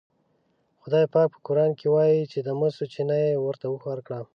خدای پاک په قرآن کې وایي چې د مسو چینه یې ورته ورکړه.